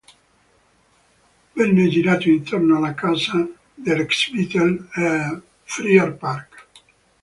Venne girato intorno alla casa dell'ex-Beatle, a Friar Park.